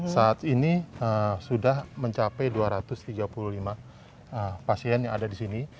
saat ini sudah mencapai dua ratus tiga puluh lima pasien yang ada di sini